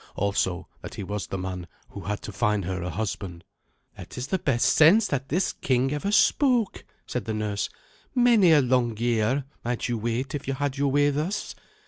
Also, that he was the man who had to find her a husband. "That is the best sense that this king ever spoke," said the nurse. "Many a long year might you wait if you had your way thus.